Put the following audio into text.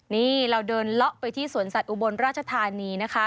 นี่เราเดินเลาะไปที่สวนสัตว์อุบลราชธานีนะคะ